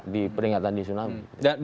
di peringatan di tsunami